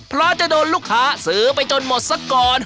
เพราะจะโดนลูกค้าซื้อไปจนหมดสักก่อน